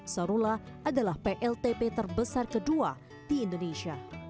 sarula adalah pltp terbesar kedua di indonesia